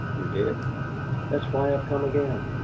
"You did?" "That's why I've come again.